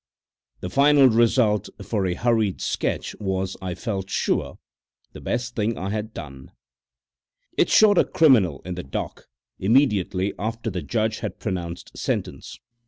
The final result, for a hurried sketch, was, I felt sure, the best thing I had done. It showed a criminal in the dock immediately after the judge had pronounced sentence.